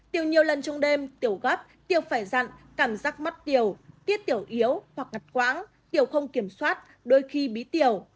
tiểu nhiều lần trong đêm tiểu gấp tiểu phải rặn cảm giác mất tiểu tiết tiểu yếu hoặc ngặt quãng tiểu không kiểm soát đôi khi bí tiểu